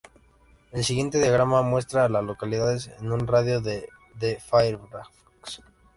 El siguiente diagrama muestra a las localidades en un radio de de Fairfax.